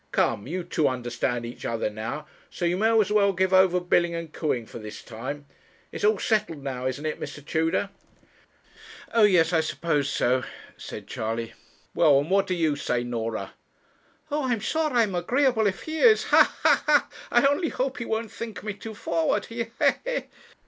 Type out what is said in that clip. Come, you two understand each other now, so you may as well give over billing and cooing for this time. It's all settled now, isn't it, Mr. Tudor?' 'Oh yes, I suppose so,' said Charley. 'Well, and what do you say, Norah?' 'Oh, I'm sure I'm agreeable if he is. Ha! ha! ha! I only hope he won't think me too forward he! he! he!'